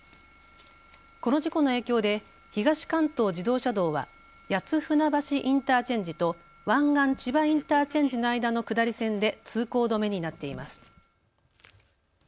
この事故の影響で東関東自動車道は谷津船橋インターチェンジと湾岸千葉インターチェンジの間の下り線で通行止めになっています。